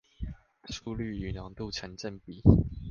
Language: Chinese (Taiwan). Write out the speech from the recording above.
速率與濃度成正比